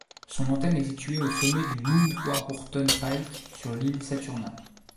Son antenne est située au sommet du Mount Warburton Pike sur l'Ile Saturna.